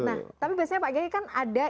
nah tapi biasanya pak gai kan ada